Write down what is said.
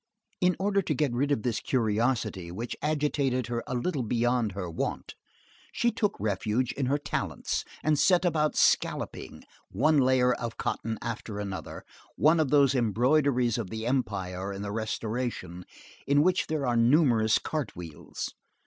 In order to get rid of this curiosity which agitated her a little beyond her wont, she took refuge in her talents, and set about scalloping, with one layer of cotton after another, one of those embroideries of the Empire and the Restoration, in which there are numerous cart wheels.